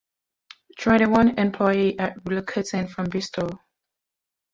Twenty-one employees are relocating from Bristol.